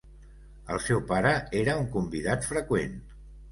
El seu pare era un convidat freqüent.